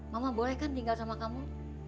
mama boleh kan tinggal sama kamu